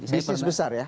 bisnis besar ya